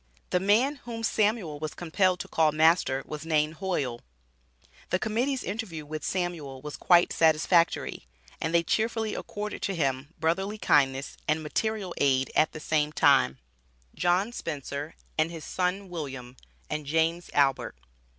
The man whom Samuel was compelled to call master was named Hoyle. The Committee's interview with Samuel was quite satisfactory, and they cheerfully accorded to him brotherly kindness and material aid at the same time. JOHN SPENCER AND HIS SON WILLIAM, AND JAMES ALBERT.